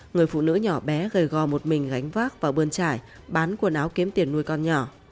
người phụ nữ nhỏ bé gầy gò một mình gánh vác vào bươn trải bán quần áo kiếm tiền nuôi con nhỏ